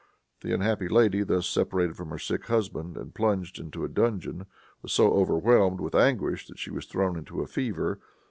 The unhappy lady, thus separated from her sick husband, and plunged into a dungeon, was so overwhelmed with anguish that she was thrown into a fever.